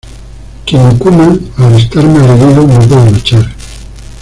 Kinnikuman, al estar malherido, no puede luchar.